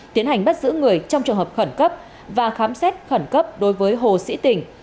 tiến hành bắt giữ người trong trường hợp khẩn cấp và khám xét khẩn cấp đối với hồ sĩ tình